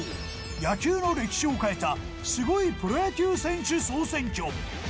野球の歴史を変えたすごいプロ野球選手総選挙。